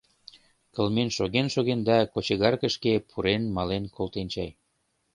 Кылмен шоген-шоген да кочегаркышке пурен мален колтен чай.